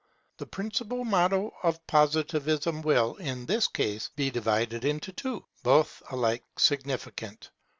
The principal motto of Positivism will, in this case, be divided into two, both alike significant.